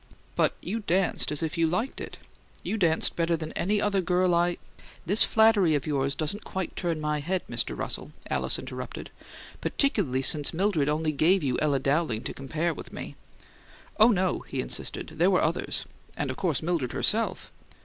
"But you danced as if you liked it. You danced better than any other girl I " "This flattery of yours doesn't quite turn my head, Mr. Russell," Alice interrupted. "Particularly since Mildred only gave you Ella Dowling to compare with me!" "Oh, no," he insisted. "There were others and of course Mildred, herself."